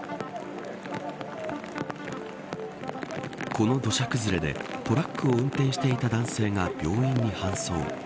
この土砂崩れでトラックを運転していた男性が病院に搬送。